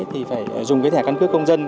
thì phải dùng cái thẻ căn cứ công dân